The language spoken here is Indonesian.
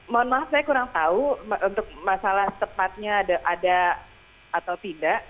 mohon maaf saya kurang tahu untuk masalah tepatnya ada atau tidak